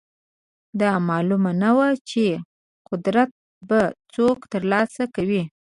دا معلومه نه وه چې قدرت به څوک ترلاسه کوي.